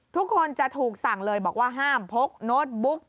ทุกคนจะถูกสั่งเลยบอกว่าห้ามพกโน้ตบุ๊ก